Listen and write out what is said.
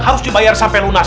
harus dibayar sampai lunas